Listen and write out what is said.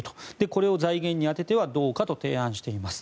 これを財源に充ててはどうかと提案しています。